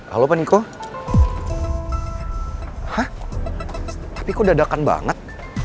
hah tapi kok dadakan banget